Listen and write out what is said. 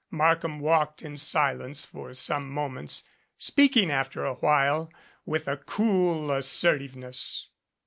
Markham walked in silence for some moments, speaking after a while with a cool assertiveness.